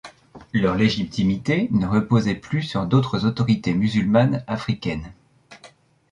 Leur légitimité ne reposait plus sur d'autres autorités musulmanes africaines.